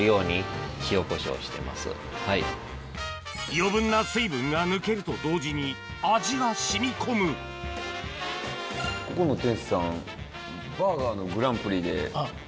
余分な水分が抜けると同時に味が染み込むいいかもね。